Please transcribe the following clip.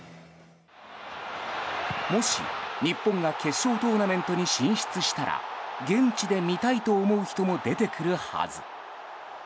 もし、日本が決勝トーナメントに進出したら現地で見たいと思う人も出てくるはず。